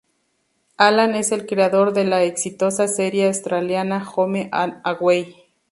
Alan es el creador de la exitosa serie australiana Home and Away.